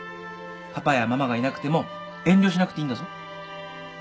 パパやママがいなくても遠慮しなくていいんだぞ。